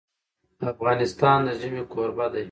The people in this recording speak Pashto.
افغانستان د ژمی کوربه دی.